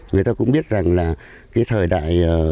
người ta cũng biết rằng là cái thời đại